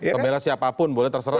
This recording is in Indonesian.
pembela siapapun boleh terserah